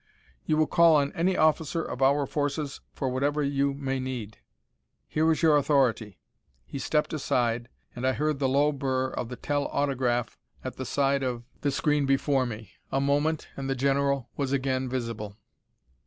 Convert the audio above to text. "You will call on any officer of our forces for whatever you may need. Here is your authority." He stepped aside, and I heard the low burr of the tel autograph at the side of the screen before me. A moment, and the general was again visible.